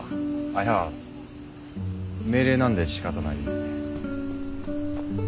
あっいや命令なんで仕方ない。